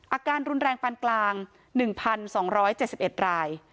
อาการรุนแรงปานกลาง๑๒๗๑ราย